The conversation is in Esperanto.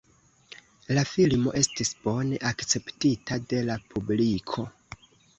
La filmo estis bone akceptita de la publiko.